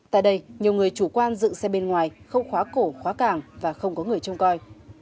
tại đây nhiều người chủ quan dựng xe bên ngoài không khóa cổ khóa càng và không có người trông coi